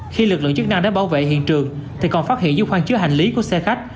khi lực lượng chức năng đến bảo vệ hiện trường thì còn phát hiện dưới khoang chứa hành lý của xe khách